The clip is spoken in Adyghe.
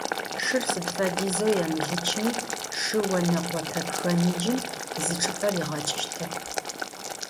Шыр сыд фэдизэу емылычми шы онэкъопэ пхэныджым зы чӏыпӏэ ригъэкӏыщтэп.